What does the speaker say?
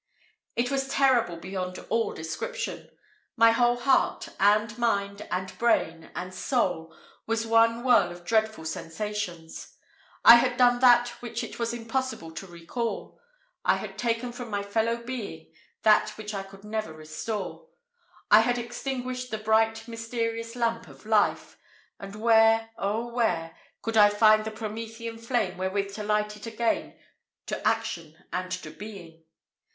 It was terrible beyond all description. My whole heart, and mind, and brain, and soul, was one whirl of dreadful sensations. I had done that which it was impossible to recal I had taken from my fellow being that which I could never restore I had extinguished the bright mysterious lamp of life; and where, oh, where, could I find the Promethean flame wherewith to light it again to action and to being?